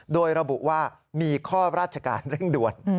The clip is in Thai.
โดยระบุว่ามีข้อราชการเร่งด่วน